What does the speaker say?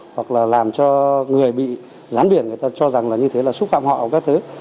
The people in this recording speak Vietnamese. hoặc là làm cho người bị gián biển người ta cho rằng là như thế là xúc phạm họ các thứ